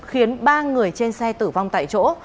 khiến ba người trên xe tử vong tại chỗ